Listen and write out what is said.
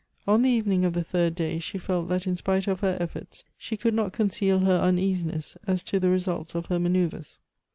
On the evening of the third day she felt that in spite of her efforts she could not conceal her uneasiness as to the results of her manoeuvres.